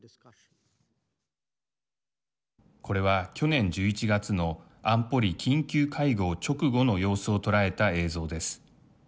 これは去年１１月の安保理緊急会合直後の様子を捉えた映像です。